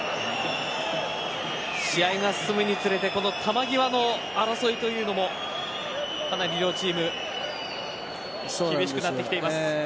試合が進むにつれてこの球際の争いというのもかなり両チーム厳しくなってきています。